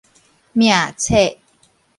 命冊